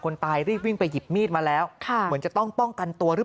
ตายรีบวิ่งไปหยิบมีดมาแล้วค่ะเหมือนจะต้องป้องกันตัวหรือ